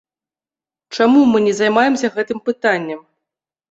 Чаму мы не займаемся гэтым пытаннем?